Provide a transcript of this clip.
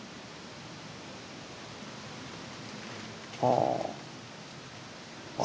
ああ。